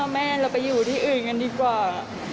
แม่เราไปอยู่ที่อื่นกันดีกว่า